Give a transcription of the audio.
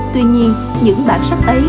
tuy nhiên những bản sắc ấy